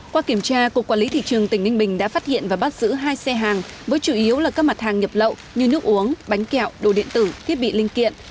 qua kiểm tra cục quản lý thị trường tỉnh ninh bình đã phát hiện và bắt giữ hai xe hàng với chủ yếu là các mặt hàng nhập lậu như nước uống bánh kẹo đồ điện tử thiết bị linh kiện